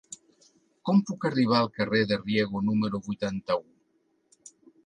Com puc arribar al carrer de Riego número vuitanta-u?